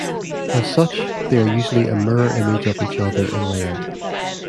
As such they are usually a mirror image of each other in layout.